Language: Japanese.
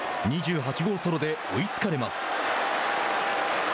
２８号ソロで追いつかれます。